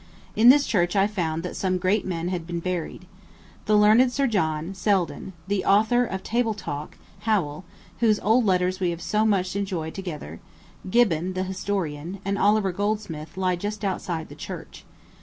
In this church I found that some great men had been buried. The learned Sir John, Selden, the author of "Table Talk;" Howell, whose old letters we have so much enjoyed together; Gibbon the historian, and Oliver Goldsmith, lie just outside the church.